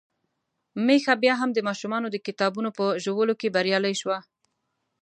ميښه بيا هم د ماشومانو د کتابونو په ژولو کې بريالۍ شوه.